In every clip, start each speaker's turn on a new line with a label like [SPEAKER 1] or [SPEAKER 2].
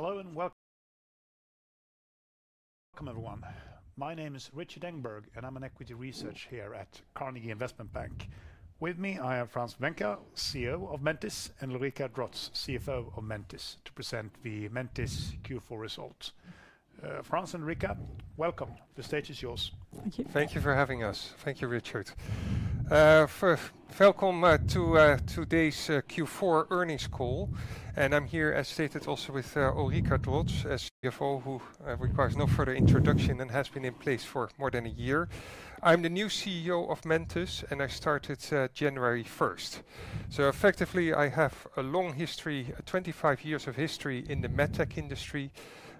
[SPEAKER 1] Hello and welcome. Welcome, everyone. My name is Rikard Engberg, and I'm an equity researcher here at Carnegie Investment Bank. With me, I have Frans Venker, CEO of Mentice, and Ulrika Drotz, CFO of Mentice, to present the Mentice Q4 results. Frans and Ulrika, welcome. The stage is yours.
[SPEAKER 2] Thank you.
[SPEAKER 3] Thank you for having us. Thank you, Rikard. Welcome to today's Q4 earnings call. I am here, as stated, also with Ulrika Drotz as CFO, who requires no further introduction and has been in place for more than a year. I am the new CEO of Mentice, and I started January 1st. Effectively, I have a long history, 25 years of history in the MedTech industry,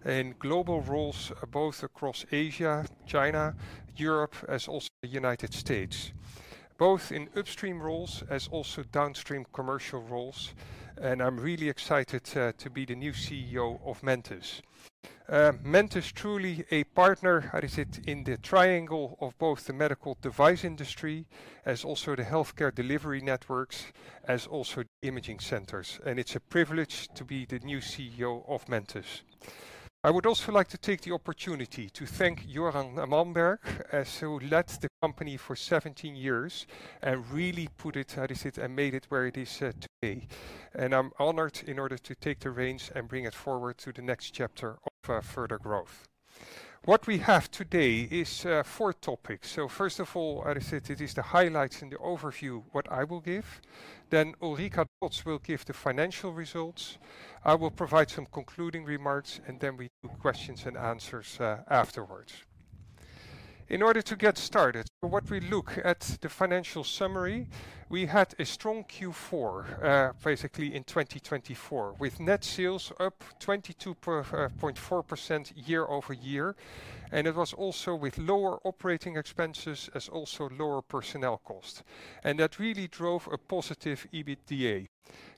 [SPEAKER 3] in global roles both across Asia, China, Europe, as also the United States. Both in upstream roles as also downstream commercial roles. I am really excited to be the new CEO of Mentice. Mentice is truly a partner, as it is in the triangle of both the Medical Device Industry, as also the healthcare delivery networks, as also imaging centers. It is a privilege to be the new CEO of Mentice. I would also like to take the opportunity to thank Göran Malmberg, who led the company for 17 years and really put it, as it is, and made it where it is today. I am honored in order to take the reins and bring it forward to the next chapter of further growth. What we have today is four topics. First of all, as it is, the highlights and the overview, what I will give. Ulrika Drotz will give the financial results. I will provide some concluding remarks, and we do questions and answers afterwards. In order to get started, what we look at the financial summary, we had a strong Q4, basically in 2024, with net sales up 22.4% year-over-year. It was also with lower operating expenses as also lower personnel costs. That really drove a positive EBITDA,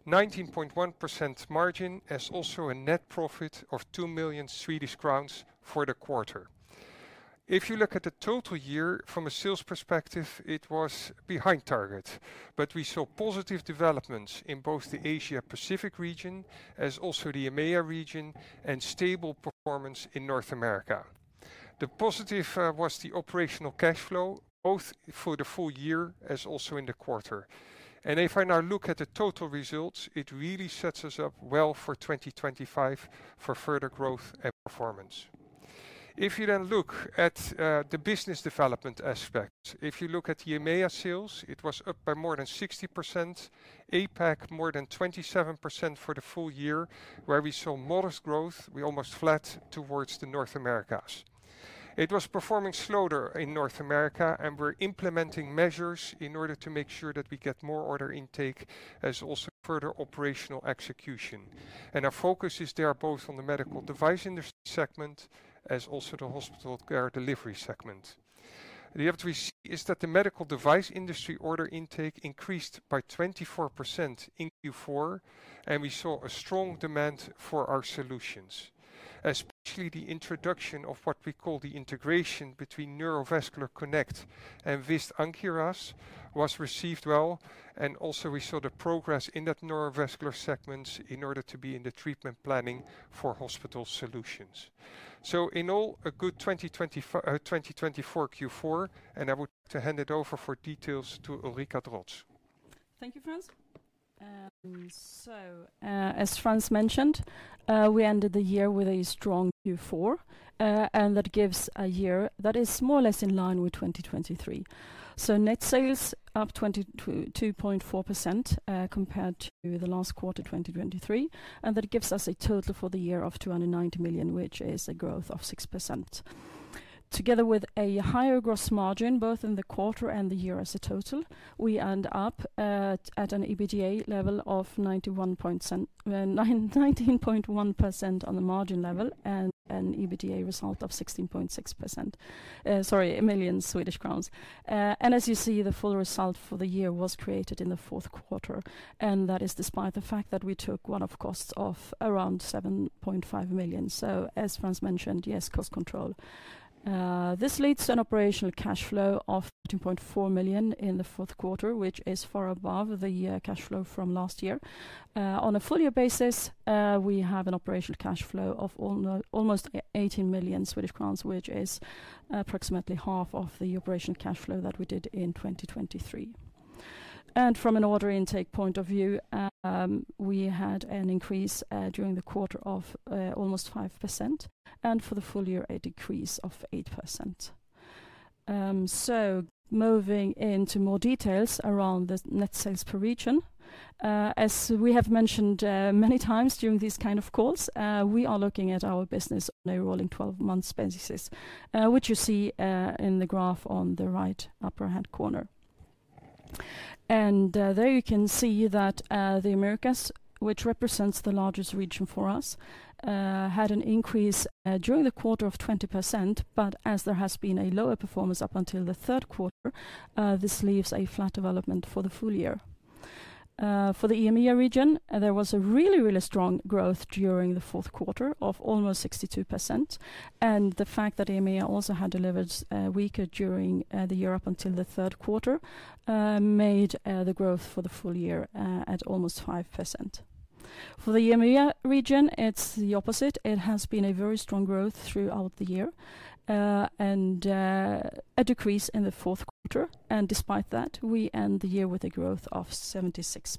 [SPEAKER 3] 19.1% margin, as also a net profit of 2 million Swedish crowns for the quarter. If you look at the total year from a sales perspective, it was behind target, but we saw positive developments in both the Asia-Pacific region, as also the EMEA region, and stable performance in North America. The positive was the operational cash flow, both for the full year as also in the quarter. If I now look at the total results, it really sets us up well for 2025 for further growth and performance. If you then look at the business development aspect, if you look at the EMEA sales, it was up by more than 60%, APAC more than 27% for the full year, where we saw modest growth. We almost flat towards the North Americas. It was performing slower in North America, and we're implementing measures in order to make sure that we get more order intake, as also further operational execution. Our focus is there both on the Medical Device Industry segment, as also the hospital care delivery segment. The other is that the Medical Device Industry order intake increased by 24% in Q4, and we saw a strong demand for our solutions. As the introduction of what we call the integration between Neurovascular Connect and VIST Ankyras was received well, and also we saw the progress in that neurovascular segment in order to be in the treatment planning for hospital solutions. In all, a good 2024 Q4, and I would like to hand it over for details to Ulrika Drotz.
[SPEAKER 2] Thank you, Frans. As Frans mentioned, we ended the year with a strong Q4, and that gives a year that is more or less in line with 2023. Net sales are up 22.4% compared to the last quarter 2023, and that gives us a total for the year of 290 million, which is a growth of 6%. Together with a higher gross margin, both in the quarter and the year as a total, we end up at an EBITDA level of 19.1% on the margin level and an EBITDA result of 16.6%, sorry, 16.6 million Swedish crowns. As you see, the full result for the year was created in the fourth quarter, and that is despite the fact that we took one-off costs of around 7.5 million. As Frans mentioned, yes, cost control. This leads to an operational cash flow of 2.4 million in the fourth quarter, which is far above the cash flow from last year. On a full year basis, we have an operational cash flow of almost 18 million Swedish crowns, which is approximately half of the operational cash flow that we did in 2023. From an order intake point of view, we had an increase during the quarter of almost 5%, and for the full year, a decrease of 8%. Moving into more details around the net sales per region, as we have mentioned many times during these kinds of calls, we are looking at our business overall in 12-month basis, which you see in the graph on the right upper hand corner. There you can see that the Americas, which represents the largest region for us, had an increase during the quarter of 20%, but as there has been a lower performance up until the third quarter, this leaves a flat development for the full year. For the EMEA region, there was a really, really strong growth during the fourth quarter of almost 62%, and the fact that EMEA also had delivered weaker during the year up until the third quarter made the growth for the full year at almost 5%. For the AMER region, it's the opposite. It has been a very strong growth throughout the year and a decrease in the fourth quarter. Despite that, we end the year with a growth of 76%.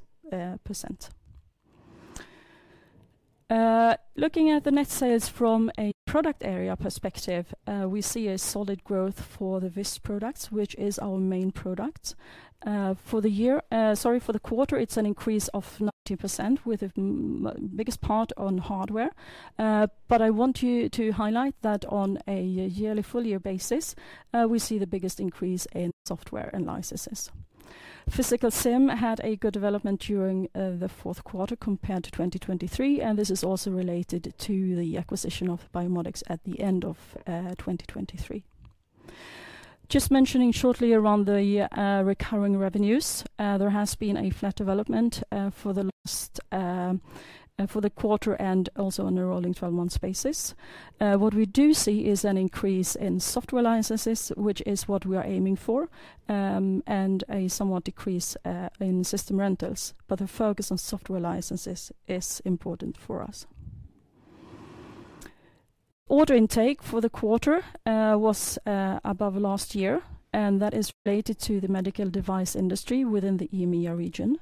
[SPEAKER 2] Looking at the net sales from a product-area perspective, we see a solid growth for the VIST products, which is our main product. For the year, sorry, for the quarter, it's an increase of 90% with the biggest part on hardware. I want you to highlight that on a full year basis, we see the biggest increase in software and licenses. Physical Sim had a good development during the fourth quarter compared to 2023, and this is also related to the acquisition of Biomodex at the end of 2023. Just mentioning shortly around the recurring revenues, there has been a flat development for the quarter and also on a rolling 12-month basis. What we do see is an increase in software licenses, which is what we are aiming for, and a somewhat decrease in system rentals. The focus on software licenses is important for us. Order intake for the quarter was above last year, and that is related to the Medical Device Industry within the EMEA region.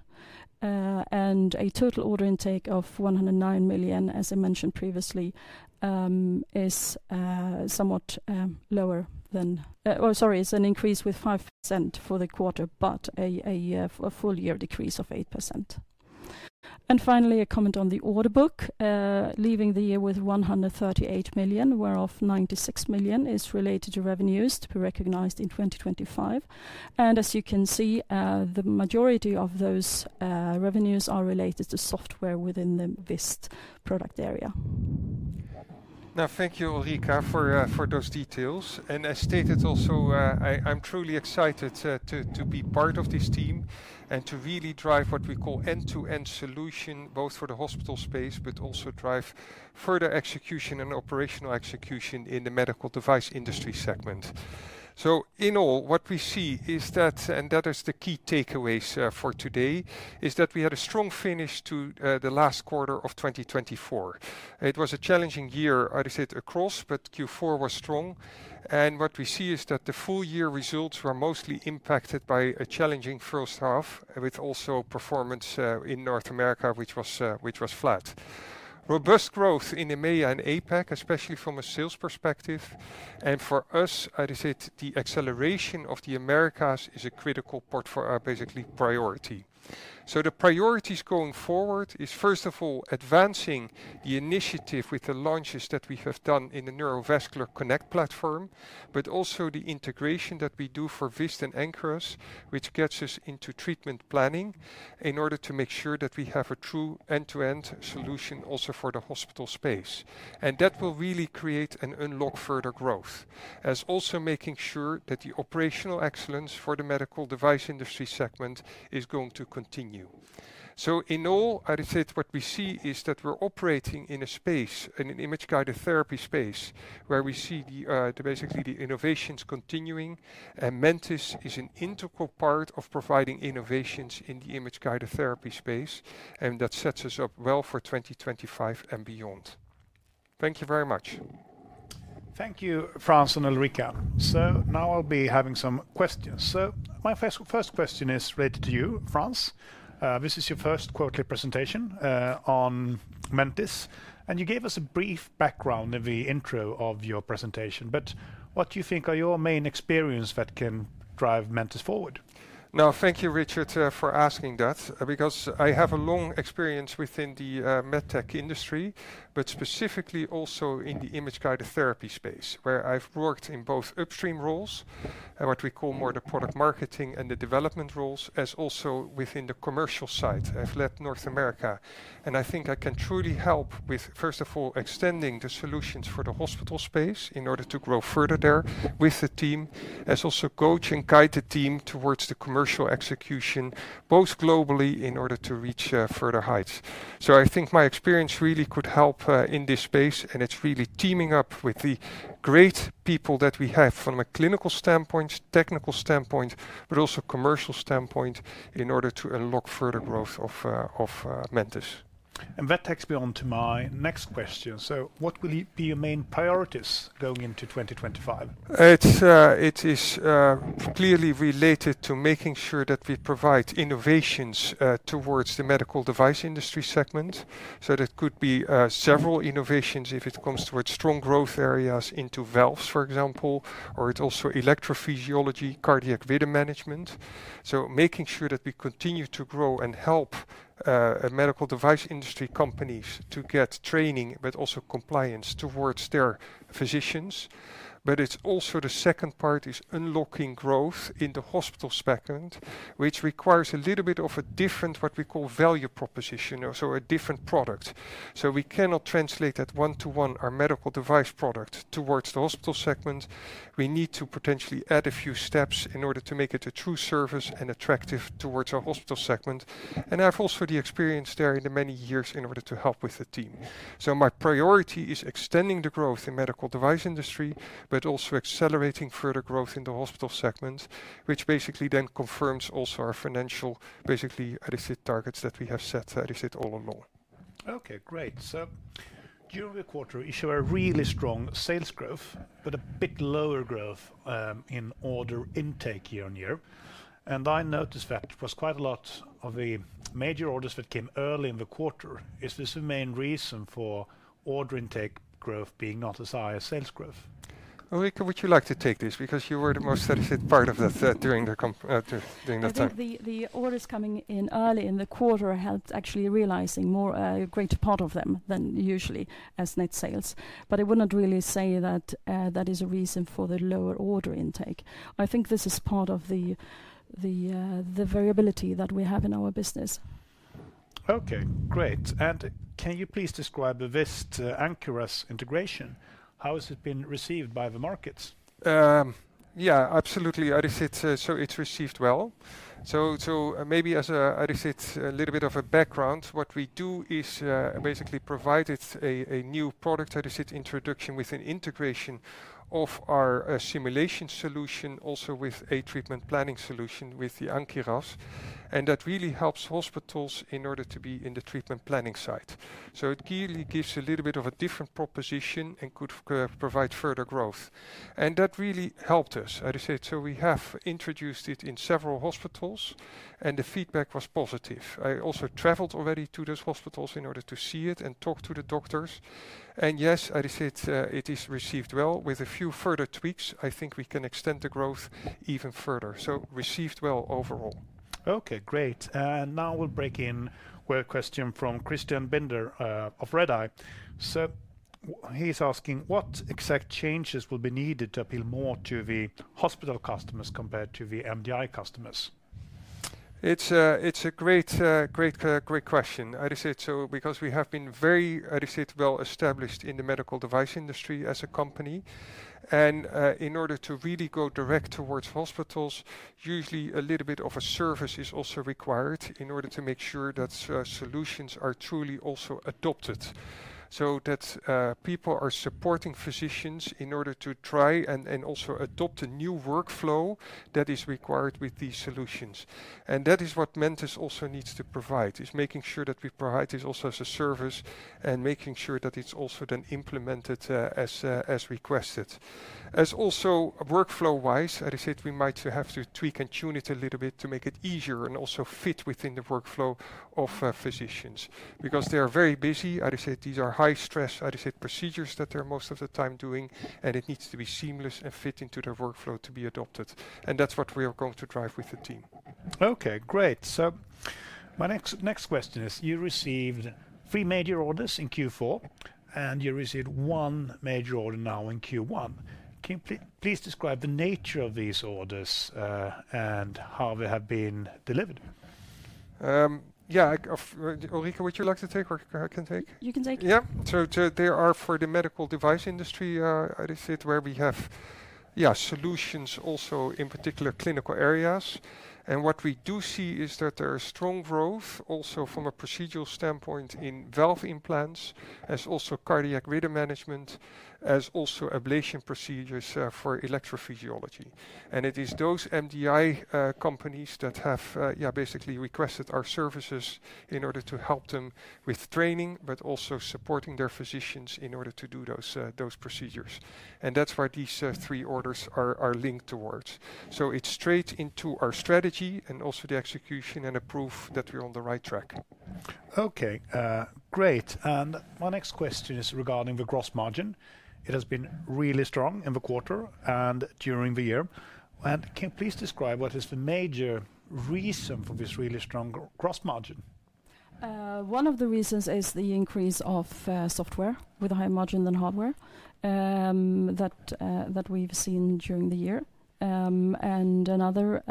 [SPEAKER 2] A total order intake of 109 million, as I mentioned previously, is somewhat lower than, or sorry, it is an increase with 5% for the quarter, but a full year decrease of 8%. Finally, a comment on the order book, leaving the year with 138 million, whereof 96 million is related to revenues to be recognized in 2025. As you can see, the majority of those revenues are related to software within the VIST product area.
[SPEAKER 3] Thank you, Ulrika, for those details. As stated also, I'm truly excited to be part of this team and to really drive what we call end-to-end solution, both for the hospital space, but also drive further execution and operational execution in the Medical Device Industry segment. In all, what we see is that, and that is the key takeaways for today, is that we had a strong finish to the last quarter of 2024. It was a challenging year, as it is, across, but Q4 was strong. What we see is that the full-year results were mostly impacted by a challenging first half, with also performance in North America, which was flat. Robust growth in EMEA and APAC, especially from a sales perspective. For us, as it is, the acceleration of the Americas is a critical portfolio, basically priority. The priorities going forward is, first of all, advancing the initiative with the launches that we have done in the Neurovascular Connect platform, but also the integration that we do for VIST and Ankyras, which gets us into treatment planning in order to make sure that we have a true end-to-end solution also for the hospital space. That will really create and unlock further growth, as also making sure that the operational excellence for the Medical Device Industry segment is going to continue. In all, as it is, what we see is that we're operating in a space, in an image-guided therapy space, where we see basically the innovations continuing, and Mentice is an integral part of providing innovations in the image-guided therapy space, and that sets us up well for 2025 and beyond. Thank you very much.
[SPEAKER 1] Thank you, Frans and Ulrika. Now I'll be having some questions. My first question is related to you, Frans. This is your first quarter presentation on Mentice, and you gave us a brief background in the intro of your presentation, but what do you think are your main experiences that can drive Mentice forward?
[SPEAKER 3] No, thank you, Rikard, for asking that, because I have a long experience within the MedTech industry, but specifically also in the image-guided therapy space, where I've worked in both upstream roles and what we call more the product marketing and the development roles, as also within the commercial side. I've led North America, and I think I can truly help with, first of all, extending the solutions for the hospital space in order to grow further there with the team, as also coach and guide the team towards the commercial execution, both globally in order to reach further heights. I think my experience really could help in this space, and it's really teaming up with the great people that we have from a clinical standpoint, technical standpoint, but also commercial standpoint in order to unlock further growth of Mentice.
[SPEAKER 1] That takes me on to my next question. What will be your main priorities going into 2025?
[SPEAKER 3] It is clearly related to making sure that we provide innovations towards the Medical Device Industry segment. There could be several innovations if it comes towards strong growth areas into valves, for example, or it's also electrophysiology, cardiac rhythm management. Making sure that we continue to grow and help Medical Device Industry companies to get training, but also compliance towards their physicians. The second part is unlocking growth in the Hospital segment, which requires a little bit of a different, what we call value proposition, so a different product. We cannot translate that one-to-one, our Medical Device product towards the Hospital segment. We need to potentially add a few steps in order to make it a true service and attractive towards our Hospital segment. I have also had the experience there in the many years in order to help with the team. My priority is extending the growth in the Medical Device Industry, but also accelerating further growth in the Hospital segment, which basically then confirms also our financial, basically, as it is, targets that we have set, as it is, all along.
[SPEAKER 1] Okay, great. During the quarter, you show a really strong sales growth, but a bit lower growth in order intake year on year. I noticed that it was quite a lot of the major orders that came early in the quarter. Is this the main reason for order-intake growth being not as high as sales growth?
[SPEAKER 3] Ulrika, would you like to take this? Because you were the most, as it is, part of that during the time.
[SPEAKER 2] The orders coming in early in the quarter helped actually realizing more a greater part of them than usually as net sales. I would not really say that that is a reason for the lower order intake. I think this is part of the variability that we have in our business.
[SPEAKER 1] Okay, great. Can you please describe the VIST Ankyras integration? How has it been received by the markets?
[SPEAKER 3] Yeah, absolutely. As it is, it's received well. Maybe as a little bit of a background, what we do is basically provide a new product, as it is, introduction with an integration of our Simulation solution, also with a Treatment Planning solution with the Ankyras. That really helps hospitals in order to be in the treatment planning side. It really gives a little bit of a different proposition and could provide further growth. That really helped us, as it is, we have introduced it in several hospitals, and the feedback was positive. I also traveled already to those hospitals in order to see it and talk to the doctors. Yes, as it is, it is received well. With a few further tweaks, I think we can extend the growth even further. Received well overall.
[SPEAKER 1] Okay, great. Now we'll break in with a question from Christian Binder of Redeye. He's asking what exact changes will be needed to appeal more to the Hospital customers compared to the MDI customers?
[SPEAKER 3] It's a great, great, great question. As it is, because we have been very, as it is, well established in the Medical Device Industry as a company. In order to really go direct towards hospitals, usually a little bit of a service is also required in order to make sure that solutions are truly also adopted. That people are supporting physicians in order to try and also adopt a new workflow that is required with these solutions. That is what Mentice also needs to provide, is making sure that we provide this also as a service and making sure that it's also then implemented as requested. Also workflow-wise, as it is, we might have to tweak and tune it a little bit to make it easier and also fit within the workflow of physicians, because they are very busy. These are high-stress, as it is, procedures that they're most of the time doing, and it needs to be seamless and fit into their workflow to be adopted. That's what we are going to drive with the team.
[SPEAKER 1] Okay, great. My next question is, you received three major orders in Q4, and you received one major order now in Q1. Can you please describe the nature of these orders and how they have been delivered?
[SPEAKER 3] Yeah, Ulrika, would you like to take or I can take?
[SPEAKER 2] You can take it.
[SPEAKER 3] Yeah. They are for the Medical Device Industry, as it is, where we have, yeah, solutions also in particular clinical areas. What we do see is that there is strong growth also from a procedural standpoint in valve implants, as also cardiac rhythm management, as also ablation procedures for electrophysiology. It is those MDI companies that have, yeah, basically requested our services in order to help them with training, but also supporting their physicians in order to do those procedures. That is why these three orders are linked towards. It is straight into our strategy and also the execution and a proof that we are on the right track.
[SPEAKER 1] Okay, great. My next question is regarding the gross margin. It has been really strong in the quarter and during the year. Can you please describe what is the major reason for this really strong gross margin?
[SPEAKER 2] One of the reasons is the increase of software with a higher margin than hardware that we've seen during the year. Another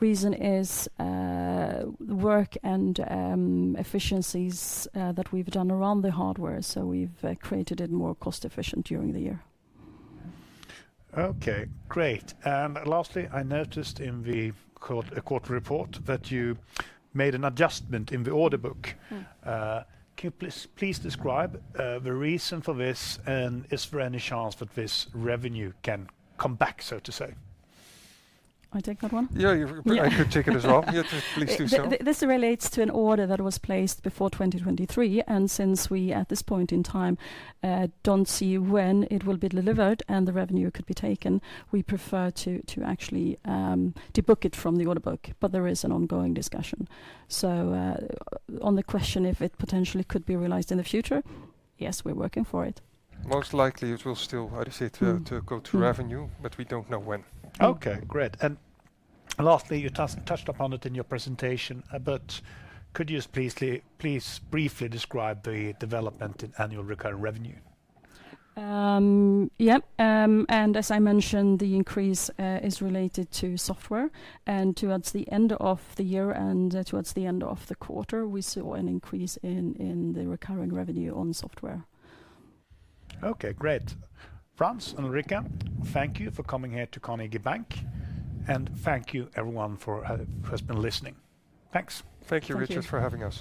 [SPEAKER 2] reason is work and efficiencies that we've done around the hardware. We have created it more cost-efficient during the year.
[SPEAKER 1] Okay, great. Lastly, I noticed in the quarter report that you made an adjustment in the order book. Can you please describe the reason for this and is there any chance that this revenue can come back, so to say?
[SPEAKER 2] I take that one?
[SPEAKER 3] Yeah, I could take it as well. Yeah, please do so.
[SPEAKER 2] This relates to an order that was placed before 2023. Since we at this point in time do not see when it will be delivered and the revenue could be taken, we prefer to actually debook it from the order book, but there is an ongoing discussion. On the question if it potentially could be realized in the future, yes, we are working for it.
[SPEAKER 3] Most likely it will still, as it is, too, go to revenue, but we don't know when.
[SPEAKER 1] Okay, great. Lastly, you touched upon it in your presentation, but could you please briefly describe the development in annual recurring revenue?
[SPEAKER 2] Yeah. As I mentioned, the increase is related to software. Towards the end of the year and towards the end of the quarter, we saw an increase in the recurring revenue on software.
[SPEAKER 1] Okay, great. Frans, Ulrika, thank you for coming here to Carnegie Bank. Thank you everyone who has been listening. Thanks.
[SPEAKER 3] Thank you, Rikard, for having us.